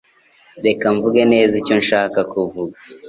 Reka mvuge neza icyo nshaka kuvuga